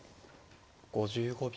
５５秒。